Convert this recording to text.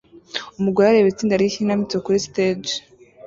Umugore areba itsinda ryikinamico kuri stage